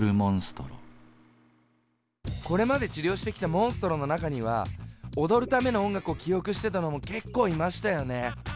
これまで治療してきたモンストロの中には踊るための音楽を記憶してたのも結構いましたよね。